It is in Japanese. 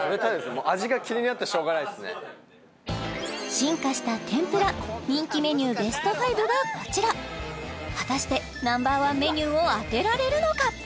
もう進化した天ぷら人気メニューＢＥＳＴ５がこちら果たしてＮｏ．１メニューを当てられるのか？